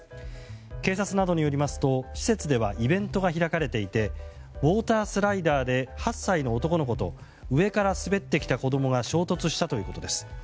警察などによりますと施設ではイベントが開かれていてウォータースライダーで８歳の男の子と上から滑ってきた子供が衝突したということです。